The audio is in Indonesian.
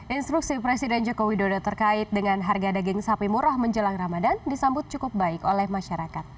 instruksi presiden joko widodo terkait dengan harga daging sapi murah menjelang ramadan disambut cukup baik oleh masyarakat